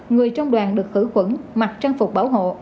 người trong đoàn được khử khuẩn mặc trang phục bảo hộ